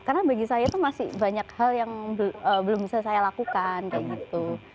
karena bagi saya itu masih banyak hal yang belum bisa saya lakukan kayak gitu